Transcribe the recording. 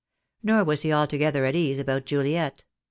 Nor was he altogether at ease about Juliet.